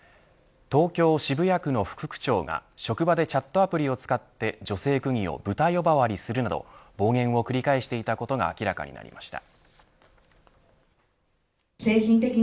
東京・渋谷区の副区長が職場でチャットアプリを使って女性区議をブタ呼ばわりするなど暴言を繰り返していたことが明らかになりました。